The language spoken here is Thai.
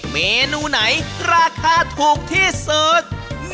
เมนูไหนราคาถูกที่สุด